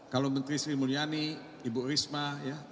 kalau menteri sri mulyani ibu risma ya